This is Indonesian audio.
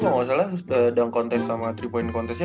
kalau gak salah dunk contest sama tiga point contestnya